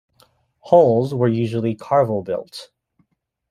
Hulls were usually carvel-built.